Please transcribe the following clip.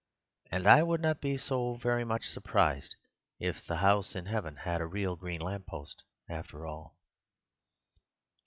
And I would not be so very much surprised if the house in heaven had a real green lamp post after all.